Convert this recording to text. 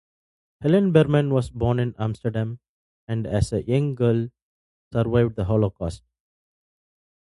Helen Berman was born in Amsterdam and as a young girl survived the Holocaust.